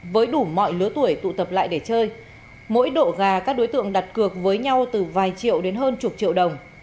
với đủ mọi lứa tuổi tụ tập lại để chơi mỗi độ gà các đối tượng đặt cược với nhau từ vài triệu đến hơn chục triệu đồng